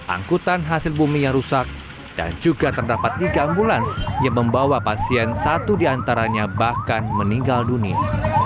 angkutan hasil bumi yang rusak dan juga terdapat tiga ambulans yang membawa pasien satu diantaranya bahkan meninggal dunia